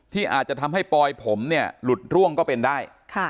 ที่อาจจะทำให้ปอยผมเนี่ยหลุดร่วงก็เป็นได้